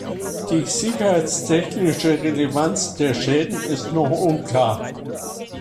Die sicherheitstechnische Relevanz der Schäden ist noch unklar.